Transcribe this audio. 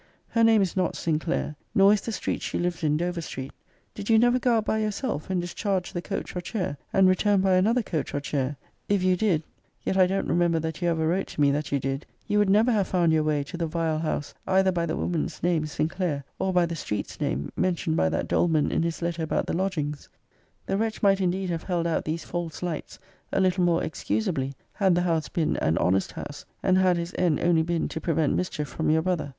] Her name is not Sinclair, nor is the street she lives in Dover street. Did you never go out by your self, and discharge the coach or chair, and return >>> by another coach or chair? If you did, [yet I don't remember that you ever wrote to me, that you did,] you would never have found your way to the vile house, either by the woman's name, Sin clair, or by the street's name, mentioned by that Doleman in his letter about the lodgings.* * Vol. III. Letters XXXVIII. and XXXIX. The wretch might indeed have held out these false lights a little more excusably, had the house been an honest house; and had his end only been to prevent mischief from your brother.